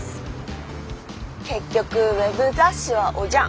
結局ウェブ雑誌はおじゃん。